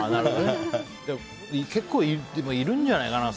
結構、いるんじゃないかな？